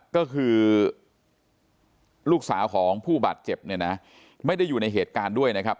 ก็คือลูกสาวของผู้บาดเจ็บเนี่ยนะไม่ได้อยู่ในเหตุการณ์ด้วยนะครับ